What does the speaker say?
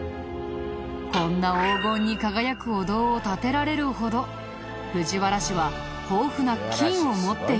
こんな黄金に輝くお堂を建てられるほど藤原氏は豊富な金を持っていたんだ。